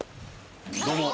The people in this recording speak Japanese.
どうも。